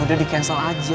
ya udah di cancel aja